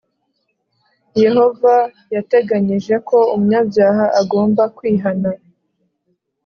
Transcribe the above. Yehova yateganyije ko umunyabyaha agomba kwihana.